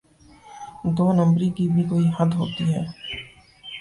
دو نمبری کی بھی کوئی حد ہوتی ہے۔